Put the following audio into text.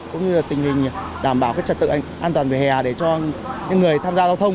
cũng như là tình hình đảm bảo trật tự an toàn về hè để cho những người tham gia giao thông